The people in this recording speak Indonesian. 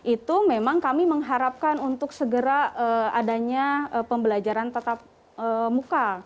itu memang kami mengharapkan untuk segera adanya pembelajaran tetap muka